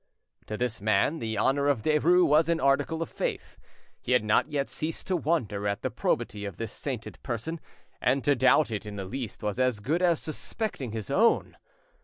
To this man, the honour of Derues was an article of faith; he had not yet ceased to wonder at the probity of this sainted person, and to doubt it in the least was as good as suspecting his own.